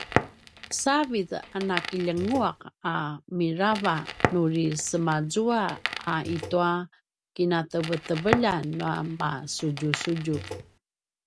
savid a nakiljengua’ a mirava nuri semaazua a i tua kinateveteveljan nua masudjusudju